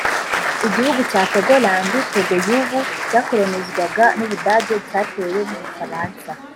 Igihugu cya Togoland (Togo y’ubu) cyakoronizwaga n’u Budage cyatewe n’u Bufaransa